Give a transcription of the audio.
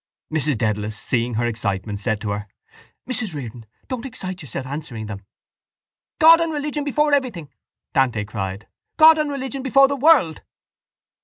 Mrs Dedalus, seeing her excitement, said to her: —Mrs Riordan, don't excite yourself answering them. —God and religion before everything! Dante cried. God and religion before the world.